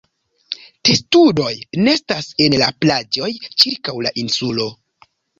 Testudoj nestas en la plaĝoj ĉirkaŭ la insulo.